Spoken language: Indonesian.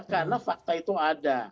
karena fakta itu ada